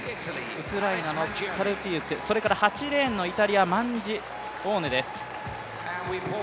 ウクライナのカルピウク、それから８レーンのイタリアマンジオーネです